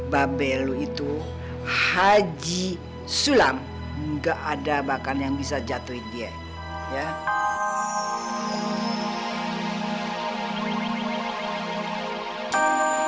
babelu itu haji sulam enggak ada bahkan yang bisa jatuhin dia